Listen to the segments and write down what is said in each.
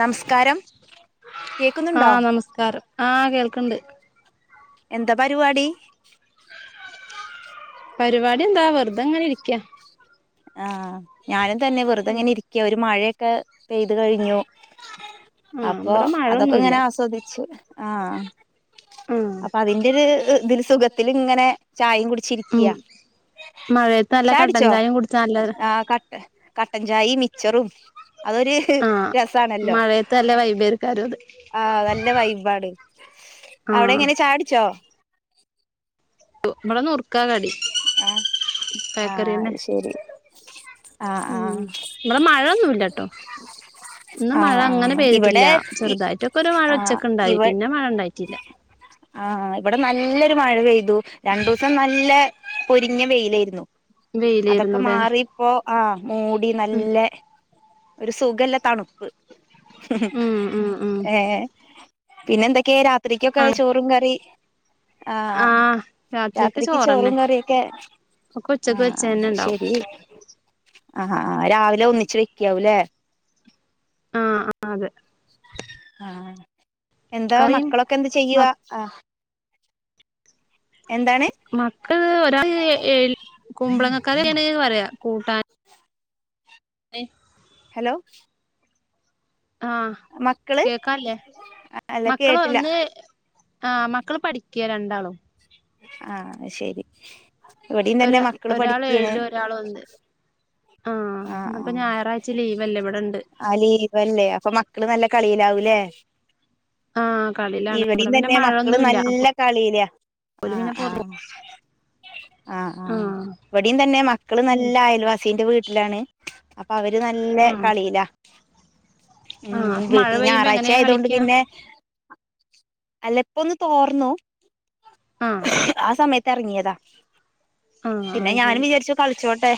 നമസ്കാരം കേക്കുന്നുണ്ടോ ആ കേൾക്ക്ണ്ട് എന്താ പരിവാടി പരിപാടി എന്താ വെറുതെ അങ്ങനെ ഇരിക്കാ ആഹ് ഞാനു തന്നെ വെറുതെങ്ങനെരിക്ക ഒരു മഴ ഒക്കെ പെയ്ത് കഴിഞ്ഞു ആഹ് അപ്പൊ ഇവിടെ അതൊക്കെ മഴൊന്നുല്ല ഇങ്ങനെ ആസ്വദിച്ച് ആഹ് ആഹ് അപ്പൊ അതിന്റെ ഒരുതില് സുഖത്തി ഇങ്ങനെ ചായും കുടി ഉം മഴയെത്ത് നല്ല കട്ടഞ്ചായം കുടി ച്ചാ നല്ല ര കട്ടൻചായിം മിച്ചറും അതൊരു ആഹ് രസാണല്ലോ മഴയത്ത് നല്ല വൈബേര്ക്കാരം അത് ആഹ് നല്ല വൈബാണ് അവിടെ ആഹ് എങ്ങനെ കുടിച്ചോ ബടെ നുർ മുക്ക കടി ആഹ് ആഹ് ബേക്കറിന്നെ ശരി ആഹ് ഉ ആഹ് ഇവിടെ മഴൊന്നുമല്ലട്ടോ ഒന്ന് മഴ ആഹ് അങ്ങനെ ആഹ് ഇവിടെ പെയ്തിട്ടില്ല ഇ ചെറുതായിട്ടൊക്കെ ഒരു മഴ ആഹ് ഉച്ചക്ക ഉണ്ടായി ഇവ പിന്നെ മഴ ഇണ്ടായിട്ടില്ല- മഴപെയ് രണ്ടുസം നല്ലേ- പൊരിഞ്ഞ വെയിലായിരുന്നു- അതൊക്കെ വെയിലായിരുന്നൂല്ലെ? മാറി ഇപ്പോ ആഹ് മൂടി നല്ലേ- ഒരു സുഖല്ല തണുപ്പ്- ഉം ഉം ഉം ഏ ഉം പിന്നെ എന്തൊക്കെയ രാ ഒത്രക്കൊക്കെ ചോറും കറി ആഹ് രാത്രിക്ക് ചോറ്ന്നെ- ൊക്കെ ആഹ ഉണ്ടാവും ശരി ആഹാ രാവിലെ ഒന്നിച്ച് വെക്കാവൂല്ലേ? ആ എന്താ കറിയും മക്കളൊക്കെ എന്ത് ചെയ്യുക ആ മക്കള് ഒരാള് ഏഴി കുമ്പളങ്ങാ- [unintelligible] പറയാ കൂട്ടാൻ [unintelligible] ലോ ആ കേക്കാല്ലേ അല്ല മക്കള് കേട്ടില്ല ഒന്ന് ആ മക്കള് പഠിക്ക്യാ രണ്ടാളും ആ ശെരി ഇവടിം തന്നെ ഒരാ മക്കള് ഒരാള് പഠിക്കാണ് ഏഴിലും ഒരാള് ഒന്ന് ആഹ് ആ ആ ഇന്ന്പ്പോ ഞായറാഴ്ച ലീവല്ലേ ഇവിടെണ്ട് ആ ലീവല്ലേ അപ്പൊ മക്കള് നല്ല കളിയിലാവൂലേ ആഹ് കളിയിലാണ് ഇവടിം ഇവിടെ പിന്നെ തന്നെ മക്കള് മഴൊന്നുല്ല അപ്പൊ നല്ല കളിലാ ഓല് ആ പിന്നെ ആ പൊറ ആ ആ ആഹ് ഇവടിം തന്നെ മക്കള് ഉം നല്ല അയൽവാസീന്റെ വീ ലാണ് അ പ്പ അവര് നല്ല ആഹ് കളിലാ ഉം ആഹ് അപ്പൊ മഴ വീട്ടിൽ പെയ്യുമ്പോ ഞായറാഴ്ച്ച എങ്ങനെയാ യതൊണ്ട് കളിക്ക പിന്നെ- അല്ല ഇപ്പോ ന്ന് തോർന്നു ആഹ് ആ സമയ എർങ്ങ്യതാ ആഹ് പിന്നെ അത് ഞാനും ശരി വിചാരിച്ചു കളിച്ചോട്ടെ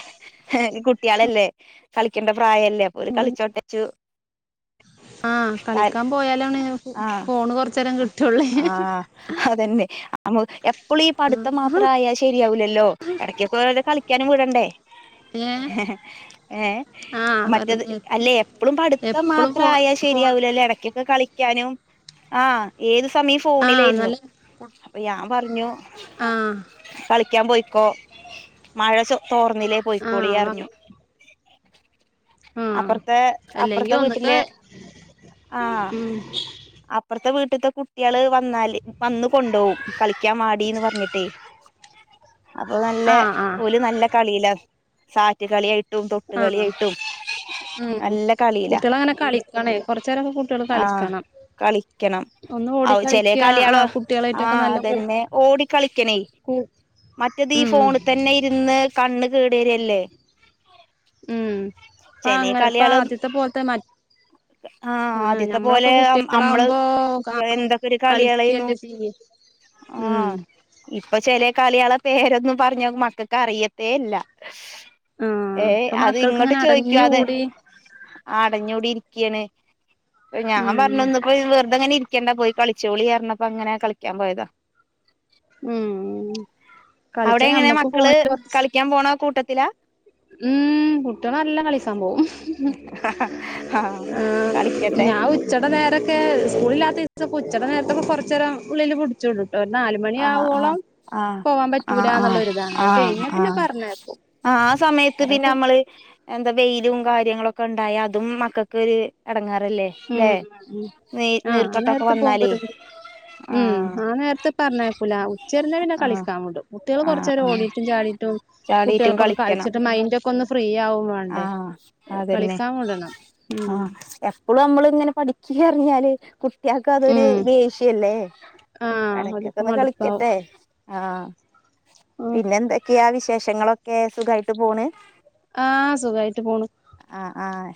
ഹേനി കു കുട്ട്യാളല്ലേ കളിക്കേണ്ട പ്രായല്ലേ അപ്പോ ഓര് കളിച്ചോട്ടെച്ചു ആ കളിക്കാൻ പോയാലാണ് ആഹ് ഫോണ് കൊർച്ചേരം കിട്ടോള്ളേ യ് അമു എ എപ്പളീ പട്ത്തം മാത്രായാ ശെരിയാവൂലല്ലോ ഇടക്കൊക്കെലെ കളിക്കാനും വിടണ്ടേ ഏഹ് ഏഹ് ആഹ് മറ്റത് വെറുതെ അല്ലേ എപ്പളും പഠിത്തം എപ്പളും ഫോൺ മാത്രായാ ഫോൺ ശെരിയാവുലല്ലേ എടക്കെക്കെ കളി ക്കാനും ആ ഏത് സ് സമയും ആ ഫോണിലായിര്ന്നു നല്ല അപ്പൊ ഞാൻ പർഞ്ഞു ആ കളി ക്കാൻ പോയ്ക്കോ മഴ ചോ തോർന്നിലെ ആ പോയിക്കോളിയർഞ്ഞ് വ ആ അപ്പർത്തെ അല്ലെങ്കി അപ്പർത്തെ ഒന്നക്ക് വീട്ടില് ആ അപ്പർത്തെ വീ ത്ത കുട്ട്യള് വന്നാല് വന്ന് കൊണ്ടോവും കളിക്കാൻ വാടിന്ന് പറഞ്ഞിട്ടേ അപ്പൊ നല്ല ആ ആ ഓല് നല്ല കളിയിലാന്ന്. സാ റ്റ് കളിയായി. റ്റും തൊട്ട് ആ കളിയായിട്ടും ഉം നല്ല കളിയിലാ, കുട്ടികള് അങ്ങനെ കളിക്കണേ കൊറച്ച് നേരൊക്കെ കുട്ടികള് ആഹ് കളിക്കണം കളിക്കണം, ഒന്ന് ഓടി അവ് ചിലെ കളിക്കുക ആ കളികള് കുട്ടികളായിട്ടൊക്കെ ആഹ് നല്ല കൂ അതന്നെ ഓടിക്കളിക്കണേ, കൂ മറ്റേത് ഈ ഉം ഫോണിൽ തന്നെ ഇരുന്ന് കണ്ണ്. [unintelligible] രിയല്ലേ? ഉം. ഇപ്പ ചെലെ അങ്ങനെ ഇപ്പ കളികളും ആദ്യത്തെ പോലത്തെ മ ആഹ് ആ ആദ്യത്തെ ഞമ്മളൊക്കെ പോലെ അ അമ്മള് കുട്ടികളാവുമ്പോ ആ കുട്ടികള് എന്തൊക്കെ ഒരു കളികളായിരുന്നു കളിക്കല്ലേ ചെയ്യ ഉം ആഹ് ഇപ്പൊ ചെലെ കളികളെ പേരൊന്നും പറഞ്ഞ മക്കൾക്ക് അറിയത്തേ ഇല്ല. ഏയ് അത് ഇങ്ങോട്ട് ചോയ് ഞ്ഞ് കൂടി അടഞ്ഞൂടി ഇരിക്കാണ് അഹ് ഞാൻ ഉം പറഞ്ഞു ന്ന്പ്പൊ ഈ വെർതങ്ങനി ക്കണ്ട പോയി കളിച്ചോളി അറഞ്ഞപ്പോ അങ്ങനെ കളിക്കാൻ പോയതാ ഉം അവിടെ കളിച്ചാ എങ്ങനെ ഞമ്മക്ക് ഫോണി മക്കള് കളിക്കാൻ പോണ കൂട്ടത്തിലാ ഉം നല്ല കളി സംഭവം ആഹ് ആ കളിക്കട്ടെ ഞാൻ ഉച്ചട നേരൊക്കെ സ്കൂളിലാത്ത ച്ചൊക്കുച്ചട നേരത്തൊക്കെ കൊറച്ചേരം ഉള്ളില് പുടിച്ചിടും ഒരു നാല് ആഹ് ആഹ് മണിയാവോളം ആഹ് പോവാൻ പറ്റൂല ആഹ് ന്നുള്ളൊരിതാണ് ആഹ് അത് ആഹ് കയിഞ്ഞ പിന്നെ പറഞ്ഞയ്ക്കും ത് പിന്നമ്മള് എന്താ വെയിലും കാര്യങ്ങളൊക്കെണ്ടായ അതും മക്കക്ക് ഒരു എടങ്ങേ റല്ലെ ഉം ല്ലേ ഉം ഉം നീ ആഹ് ആ നീർക്കെട്ടൊക്കെ നേരത്ത് വന്നാല് പോകുമ്പോരു ആ പറഞ്ഞയ്ക്കൂല ഉച്ചരിഞ്ഞാ പിന്നെ കളിക്കാ വിടും കുട്ടേള് ആഹ് കൊർചേരം ആഹ് ഓടിട്ടും ചാടീട്ടും കുട്ടികൾക്കൊക്കെ കളിച്ചിട്ട് മൈൻഡ് ഒക്കെന്ന് ഫ് ആ അതന്നെ വിടണം ഉം ആ എപ്പൊളമ്മള് ഇങ്ങനെ പഠിക്കാറഞ്ഞാല് കു ട്ട്യാക്കതൊരു ഉം ദേഷ്യല്ലേ ആഹ് ഓല്ക്ക് എടക്കൊക്കെന്ന് മടുപ്പാവും കളിക്കട്ടെ ആ ഉം പിന്നെ എന്തെക്കെയാ വി ശേഷങ്ങളൊക്കെ സുഖായിട്ട് പോണ് ആഹ് സുഖായിട്ട് പോണ് ആഹ് ആഹ്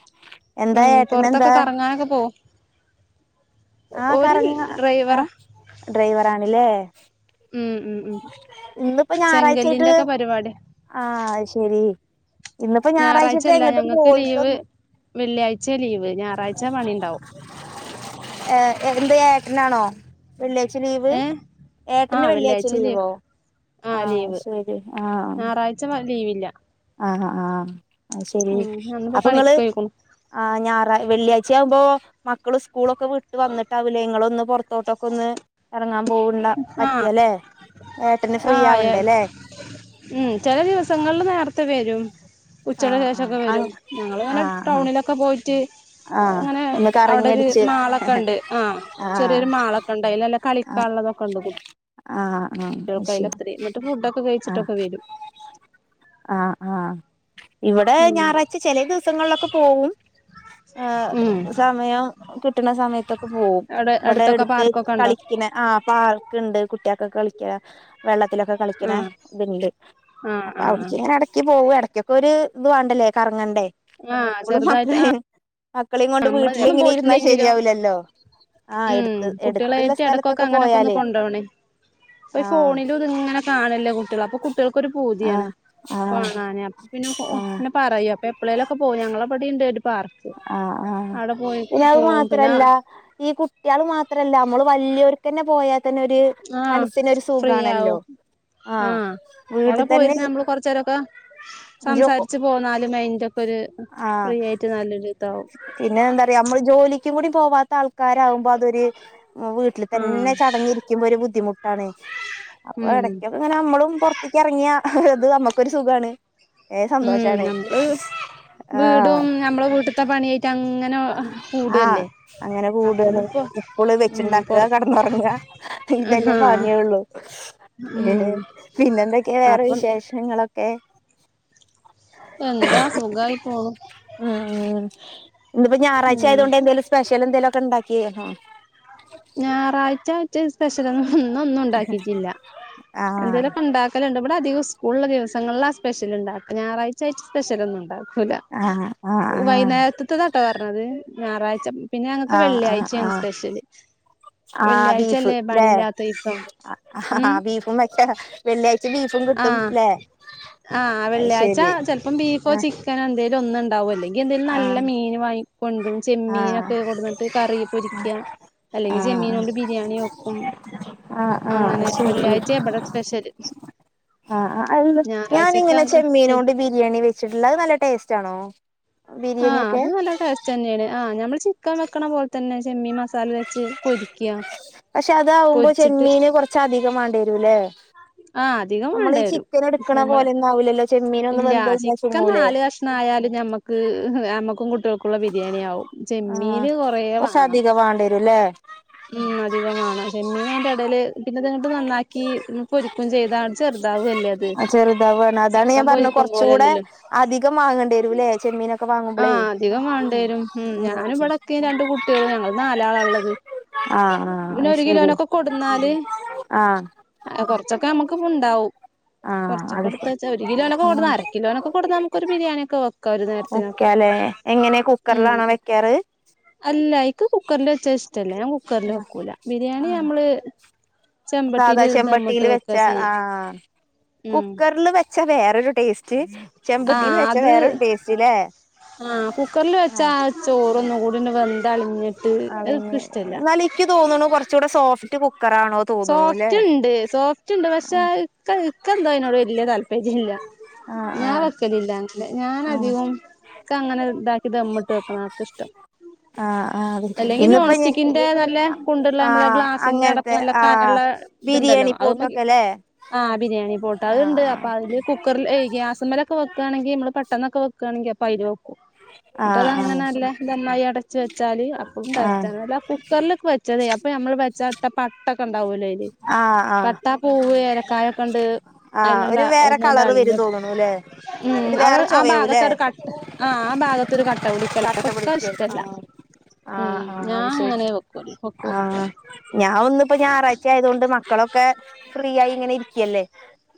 എന്താ? ഏട്ടനെന്താ? പോവും ആഹ് ഓര് കറങ്ങാ എഹ് ഡ്രൈവറാ ഡ്രൈവെർ ആണ് ലെ ഉം ഉം ഉം ഇന്നിപ്പോ ഞായറാഴ്ചായായിട്ട് ചെങ്കല്ലിന്റെക്കെ പരിപാടിയാ ആഹ് ശരി ഇന്നിപ്പോ ഞായറാഴ്ചയായിട്ട് ഞായറാഴ്ചല്ല എങ്ങട്ടും ഞങ്ങക്ക് ലീവ് പോയിട്ടൊന്ന് ഒന്നും വെള്ളിയാഴ്ച ലീവ് ഞായറാഴ്ച പണിണ്ടാവും ഇല്ല ആഹ് എന്ത് ഏട്ടനാണോ വെള്ളിയാഴ്ച ലീവ് ഏട്ടന് വെള്ളിയാ ച്ച ലീവ് ആഹ് ലീവ് ശരി ഞായറാഴ്ച്ച ലീവ് ഇല്ല ആഹ് ആഹ് ആഹ് അത് ശരി ഉം അന്നിപ്പോ അപ്പൊ നിങ്ങള് പണിക്കോയിക്ക്ണു ആഹ് ഞാ വെള്ളിയാഴ്ച ആകുമ്പോൾ മക്കളും സ്കൂളൊക്കെ വിട്ട് വന്നിട്ട് അവിലയങ്ങളൊന്നും പുറത്തോട്ടൊക്ക ഒന്ന് ഇറങ്ങാൻ പോവണ്ട ആഹ് പറ്റിയല്ലേ ഏട്ടന് ഫ്രീ ആഹ് ആവണ്ടേയല്ലേ ത്തെ വരും ഉച്ചക്ക് ശേഷമൊക്കെ വരും ആഹ് ആഹ് ഞങ്ങിങ്ങനെ ആഹ് ആഹ് ടൗണിലൊക്കെ പോയിട്ട് ആഹ് അങ്ങനെ ഒന്ന് അവിടെ ഒരു കറങ്ങിയടിച്ച് മാളൊക്കെ ആഹ് ഉണ്ട് ആഹ് ആഹ് ചെറിയൊരു മാളൊക്കെ ഉണ്ട് അതിൽ എല്ലാം കളി കള്ളതൊക്കെ ഉള്ളത് ആ ആ ശരി ആ കഴിച്ചിട്ടൊക്കെ വരും ആ ആ ഇവിടെ ഉം ഞായറാഴ്ച്ച ചെല ദിവസങ്ങളിലൊക്കെ പോവും ആ ഉം സമയം കിട്ടാണ്ണാ സമയത്തൊക്കെ പോകും അവിടെ ഇവിടെ അടുത്തൊക്കെ എടുത്ത് പാർക്കൊക്കെ ഉണ്ടോ പിന്നെ ആ പാർക്ക്‌ ഉണ്ട് കുട്ടികക്കൊ കളിക്കാം വെള്ളത്തി ആ കളിക്കണ്ണാ ഇതുണ്ട് ആ അപ്പൊ ആ അവിടെക്ക് ഇങ്ങനെ ഇടക്ക് പോവ ഇടക്കൊക്കെ ഒരു ഇതുവാണ്ടല്ലേ കറങ്ങണ്ടേ [inaudible] ആ ആ ചെറുതായിട്ട് ആ മക്കളും കൊണ്ട് നമ്മള് എന്നും വീട്ടിലിങ്ങനെ ഇരുന്നാ പോയിട്ടില്ലെങ്കിലും ശരിയാവിലല്ലോ ആ ഉം എടുത്ത് എടു കുട്ടികളായിട്ട് ഇടക്കൊക്കെ അങ്ങനെയൊക്കെ ഒന്ന് കൊണ്ട പോണേ ആഹ് ഫോണിലും ഇത് ഇങ്ങനെ കാണില്ലേ കുട്ടികൾ അപ്പൊ ഒരു പൂതിയാണ് ആഹ് ആഹ് കാണാന അപ്പൊ പിന്നെ ആഹ് പിന്നെ പറയാ എപ്പാളെല്ലുംലൊക്കെ പോ ഞങ്ങള് ഇബടെ പാർച്ച് ആ പിന്നെ അത് മാത്രല്ല ഈ കുട്ടി മാത്രല്ല നമ്മള് വലിയരു പിന്നെ പോയാ ആ ഫ്രീയാവും ആ ആഹ് അടെ വീട്ടിൽ തന്നെ പോയിന്ന് നമ്മള് കൊറച്ച് നേരൊക്കെ ജോ സംസാരിച്ച് പോന്നലും മൈൻഡ് ഒക്കെ ഒരു ആഹ് ഫ്രീ ആയിട്ട് നല്ലൊരു ഇതാവും പിന്നെ എന്താറിയാ നമ്മള് ജോലിക്ക് കൂടി പോവാത്ത ആള് ക്കാരാവുമ്പോൾ അതൊരു വീട്ടിൽ ആഹ് തന്നെ ചടഞ്ഞിരിക്കുമ്പോ ഒരു ബുദ്ധിമുട്ട് തണേ അപ്പൊ ഉം ഇടക്കൊക്കെ ഇങ്ങനെ നമ്മളും പുറത്തേക്ക് ഇറങ്ങിയ അത് നമ്മക്കൊരു സുഖാണ് ഏഹ് ഉം സന്തോഷാണ് നമ്മള് വീടും നമ്മളെ വീട്ട [inaudible] ആ അങ്ങനെ കൂടാണ് അപ്പൊന്നിപ്പോ എപ്പോള് ഉം വെച്ച്ണ്ടാക്കുക പൊറ കെടന്നുറങ്ങുക ഇതല്ലേ ആഹ് പണിയോള്ളൂ ഏ ഉം പിന്നെന്തൊക്കെയാ വേറെ അപ്പം വിശേഷങ്ങളൊക്കെ എന്താ സുഖമായി പോണു ഇന്ന് ഇപ്പാ ഞായറാഴ്ച്ച ഉം ആയോണ്ട് സ്പെഷ്യൽ എന്തേലും [inaudible] ഞായറാഴ്ച ച സ്പ്രഷൽ ആണ് [unintelligible] ഇന്ന്ഒന്നും ഉണ്ടാക്കിട്ടില്ല, ആഹ് എന്തേലുമൊക്കെ ഉണ്ടാക്കലുണ്ട് ഇവിടെ അധികം സ്കൂളുള്ള ദിവസങ്ങളിലാ സ്പെഷ്യലുണ്ടാക്ക, ഞറാഴ്ച് സ്പെഷ്യൽ ഒന്നുംണ്ടാവുല. ന്നുല്ല ആഹ് ആഹ് വൈകുന്നേരത്തത്തെതാട്ടോ പറഞ്ഞത്. ഞായറാഴ്ച പിന്നെ ഞങ്ങക്ക് വെള്ളിയാഴ്ചയാണ് സ്പെഷ്യൽ. ആ ബീഫ് ലേ ദിവസം ആ ബീഫും മറ്റ വെള്ളിയാഴ്ച ബീഫും ആ കിട്ടും ല്ലേ ആ അത് വെള്ളിയാഴ്ച ശരി ചെിലപ്പോ ബീഫോ ആഹ് ചിക്കനോ എന്തെങ്കിലും ഒന്ന് ണ്ടാവും അല്ലെങ്കി എന്തെലും നല്ല ആഹ് മീൻ വാങ്ങി കൊണ്ടരും, ആഹ് ചെമ്മീനൊക്കെ കൊടുന്നിട്ട് കറി പൊരിക്ക അല്ലെങ്കിൽ ആഹ് ചെമ്മീനോണ്ട് ബിരിയാണി വെക്കും, ആഹ് ആഹ് അങ്ങനെ വെള്ളിയാഴ്ച ഇവിടെ സ്പെഷ്യൽ. ആ അ ഞാനിങ്ങനെ ചെമ്മീന വൽ കൊണ്ട് ബിരിയാണി വെച്ചിട്ടുള്ള അതു നല്ല ടേസ്റ്റ. ച്ചണോ ആ അത് നല്ല ടസ്റ്റ് തന്നെയാണ് ആ ഞമ്മൾ ചിക്കൻ വെക്കണ പോലെ തന്നെ. ചെമ്മീൻ മസാ പക്ഷെ അതാവുമ്പോ പൊരിച്ചിട്ട് ചെമ്മീന് കൊറച്ചധികമാണം വരൂലേ ആ അധികം വേണ്ടിവരും, നമ്മൾ പോലെയൊന്നും ആവൂലല്ലോ ചെമ്മീനൊന്ന് ഇല്ല വെന്ത് കഴിഞ്ഞാ ചിക്കൻ ചുങ്ങൂലേ നാല് കഷണം ആയാലും ഞമ്മക്ക് നമ്മക്കും കുട്ട [inaudible] ക്കുകൾക്കുള്ള ബിരിയാണി ആവും ആഹ് ചെമ്മീൻ കുറേ കൊറച്ച് വാണം, അധികം വാണ്ടിവരുംല്ലേ ഉം അധികം വാണം ചെമ്മീന് ടല് പിന്നെതങ്ങട്ട് നന്നാക്കി ക്കും ചെയ്ത ചെറുതാവല്ലേ അത്. ചെറുതാവാണ് അതാണ് ചിക്കൻ ഞാൻ പറഞ്ഞത് പൊരിക്കും കൊറച്ചുകൂടെ പോലല്ലല്ലോ അധികം വാങ്ങേണ്ടി വരൂല്ലേ ചെമ്മീനൊക്കെ ആ വാങ്ങുമ്പളേ അധികം വണ്ടിവരും ഉം ഞാൻ ഇവിട ഇക്കേംരണ്ട് കുട്ടികളും ഞങ്ങൾ നാലാളാള്ളത്, ആഹ് ആഹ് പിന്നെ അത് ഒരു ശരി കിലോനൊക്കെ കൊടുന്നാല് ആഹ് ആ കുറ ച്ചൊക്കെ നമുക്കുമുണ്ടാവും. ആഹ് കുറച്ചൊക്കെ അത് ശരി എടുത്തുവച്ചാ ഒരു കിലോനൊക്കെ കൊടുന്ന ഉം അര കിലോനൊക്കെ കൊടുന്ന നമുക്ക് ഒരു ബിരിയാണി ഒക്കെ വ ഒരു നേരത്തിനൊക്കെ, വെക്കാലേ എങ്ങനെ ഉം കുക്കറിലാണോ വെക്കാറ് അല്ലാ യിക്ക് കുക്കറില്വെച്ച ഇഷ് റ്റല്ല ഞാൻ കുക്കറിൽ വെക്കൂല. ബിരിയാണിനമ്മള് സാധാചെമ്പട്ടിയിൽ വെച്ച ആ ചെയ്യാ കുക്കറിൽ വെ ച്ചാ വേറൊരുടേസ്റ്റ് ആ അത് ടേസ്റ്റ്ല്ലേ ആ കുക്കറിൽ വെച്ചാ ചോറൊന്നുംകൂടി വെന്തു ആ പിന്നെ എന്നാൽ ഇക്ക് തോന്നണു ല്ലേ സോഫ്റ്റ് ഇണ്ട് സോഫ്റ്റ് ഇണ്ട് പക്ഷെ ക്ക ഇക്കന്തോ ആയിനോട് വല്യ താല്പര്യല്ല്യ ഞാൻ ആഹ് വെക്കലില്ല. ഞാൻ ആഹ് ആഹ് അധികോം ഇക്കങ്ങനെ ഇതാക്കി ദമ്മിട്ട് വെക്കണം ആർക്ക ഇഷ്ടം ആഹ് ആഹ് അത് അല്ലെങ്കിൽ നോൺ ഇന്നിപ്പോ ഞ സ്റ്റിക്കിന്റെ നല്ല കുണ്ടുള്ള നമ്മള് ആഹ് അതിന്റെ അടപ്പ് അങ്ങനത്തെ നല്ല ആഹ് കനള്ള ത്ണ്ടല്ലോ. ബിരിയാണി അത് മതി പോട്ടൊക്കെല്ലേ ആഹ് ബിരിയാണി പോട്ട് അത്ണ്ട് അപ്പൊ അത് കുക്കറില് ഗ്യാസ്മ്മേലെ വെക്കുണെങ്കി നമ്മൾ പെട്ടന്നൊക്കെ വെക്കുവാണെങ്കിൽ അപ്പോ അയിലോ ന്നട്ട് ആഹ് ആഹ് അതങ്ങനല്ലേ നന്നായി അട വെച്ച് വെച്ചാല് അപ്പഴും ആഹ് ടേസ്റ്റാണ് ആഹ് അല്ല കുക്കറിലക്കെ വെച്ചതേ അപ്പ നമ്മ ചട്ട പട്ടൊക്കെ ണ്ടാവൂലയില് ആഹ് ആഹ് പട്ടാപ്പൂവ് ഏലക്കായ ഒക്കെണ്ട് ആഹ് അയിലണ്ട ഒരു വേറെ കളറ് ഒന്നണ്ടളിഞ്ഞ വരും തോന്നണൂല്ലേ മ്മ് ഒരു അ [unintelligible] ടെ വേറെ ആ ചൊവയാവൂല്ലേ ഭാഗത്തട്ക ആ ഭാഗത്ത് ഒര് ക കട്ട [unintelligible] പിടിക്കും ഇഷ്ടല്ല ആഹ് ആഹ് മ്മ് ആഹ് ഞാൻ അത് ശരി അങ്ങനെ വെക്കു വെക്കു ആഹ് ഞാൻ ഒന്നിപ്പൊ ഞാറാഴ്ച ആയതോണ്ട് മക്കളൊക്കെ ഫ്രീ ആയി ഇങ്ങനെ ഇരിക്കല്ലേ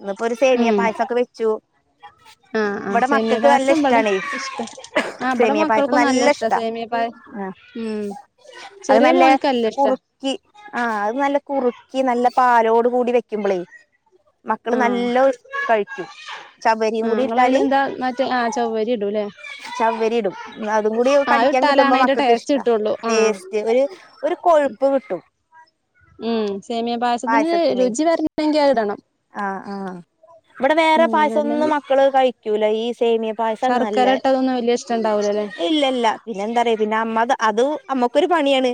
ഇിന്നിപ്പോ ഒരു സേമിയ ഉം പായസൊക്കെ വെച്ചു ആഹ് ആഹ് ഇവിടെ സേമിയ മക്കക്ക് നല്ല പായസം ഇബടെ ഇഷ്ടാണെ ഇഷ്ട ആ ഇബടെ സേമിയ പായസം മക്കൾക്കും നല്ല ഇഷ്ട സേമിയ പായ ആ ഉം അത് ചെറിയ നല്ല മോന്ക്ക് ഇഷ്ടാ കുറുക്കി അത് നല്ലേ കുറക്കി നല്ല പാലോ ട് കൂടി വെക്കുമ്പോളേ മക്കള് ആഹ് നല്ലോ കഴിക്കും ചവ്വരിയും ആഹ് കൂടി ഇട്ടാല് ഇങ്ങളയിലെന്താ മറ്റേ ആ ചവ്വരി ഇടൂല്ലേ ചവ്വരി ഇടും അതും കൂടി ആഹ് അത് കടിക്കാൻ കിട്ടുമ്പോ ഇട്ടാലാണ് അയിന്റെ മക്കൾക്ക് ടേസ്റ്റ് ഇഷ്ട കിട്ടുള്ളൂ ആഹ് ടേസ്റ്റ് ഒരു ഒരു കൊഴുപ്പ് കിട്ടും ഉം സേമിയ പായസത്തിന് രുചി വരണെങ്കി അത് ഇടണം ആഹ് ആഹ് ഇവിടെ വേറെ ഉം പായസം ഒന്നും അല്ലെങ്കി മക്കള് കഴിക്കൂല ഈ സേമിയ പായസാണ് ശർക്കര നല്ലേ ഇട്ടതൊന്നും വല്യ ഇഷ്ടണ്ടാവൂലല്ലേ ഇല്ല ഇല്ല പിന്നെ എന്താ പറയാ പിന്നെ അമ്മ അത് അമ്മക്കൊരു പണിയാണ്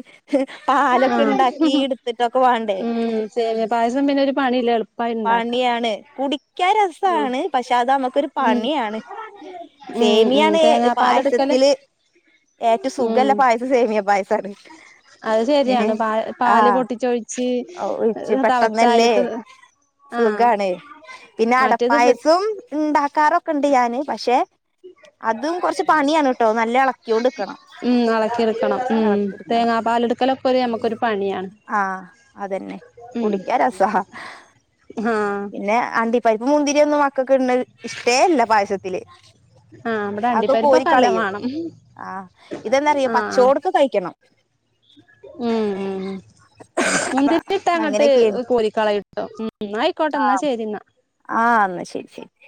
ആ പാലൊക്കെ ഉണ്ടാക്കി എടുത്തിട്ടൊക്കെ വേണ്ടേ മൂ സെമിയ പായസം പിന്നെ ഒരു പണിയില്ലല്ലോ പണിയാണ് കുടിക്കാൻ ഉം സുഖാണ് പക്ഷെ അത് നമ്മുക്കൊരു ഉം പണിയാണ്. ഉം ഉം സേമിയാണ് തേങ്ങാപ്പാലെടുക്കല് പായസത്തില് ഏറ്റവും ഉം സുഖല്ല പായസം സേമിയ പായസാണ്. അത് മ്മ് ശരിയാണ് പാ പാല് ആഹ് പൊട്ടിച്ചൊഴിച്ച് ഒച്ച പെട്ടന്നല്ലേ തളച്ചായല്ക്ക് ആഹ് സുഖാണേ പി മറ്റേത് പായസും ഇണ്ടാക്കാറൊക്കെ ഉണ്ട് ഞാന് പക്ഷേ അതും കൊറച്ച് പണിയാണ് ട്ടോ നല്ല എൾക്കിയൊണ്ട്ക്കണം. ഉം എളക്കിയെടുക്കണം ഉം ഇളക്കി ഇട് ക്കണം തേങ്ങാപ്പാലെടുക്കലൊക്കെ ഒരു നമുക്കൊരു പണിയാണ് ആഹ് അതെന്നെ ഉം കുടിക്കാൻ രസാ ആഹ് അണ്ടിപ്പരുപ്പും മുന്തിരിയൊന്നും മക്കൊക്ക് ഇടണ ഇഷ്ടേ അല്ല പായസത്തില് ആ അമ്മടെ അതൊക്കെ അണ്ടിപ്പരിപ്പൊ കല്ല കോരിക്കളയും വേണം ആഹ് ഇതെന്താറിയോ ആ പച്ചോടക്ക് കഴിക്കണം ഉ ഉ അപ്പ മുന്തിരി ഇട്ട് അങ്ങോട്ട് കോരികളയിട്ടോ ആ ആന്ന ശരി ശരി